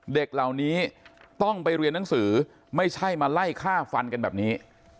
เด็กเหล่านี้ต้องไปเรียนหนังสือไม่ใช่มาไล่ฆ่าฟันกันแบบนี้